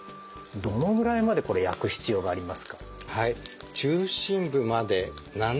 どのぐらいまでこれ焼く必要がありますか？